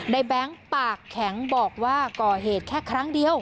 แบงค์ปากแข็งบอกว่าก่อเหตุแค่ครั้งเดียว